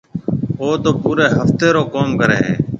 او تو پوريَ هفتيَ رو ڪوم ڪريَ هيَ۔